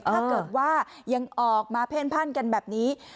ถ้าเกิดว่ายังออกมาเพ่นพันกันแบบนี้